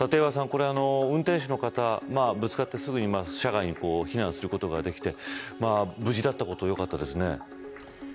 これ、運転手の方ぶつかってすぐに車外に避難することができて無事だったことはよかったですね。